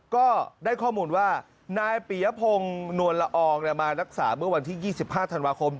ก็ได้ข้อมูลว่านายปียพงศ์นวลละอองมารักษาเมื่อวันที่๒๕ธันวาคม